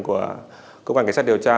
của cơ quan cảnh sát điều tra